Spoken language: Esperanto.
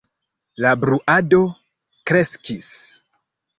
La bruado kreskis.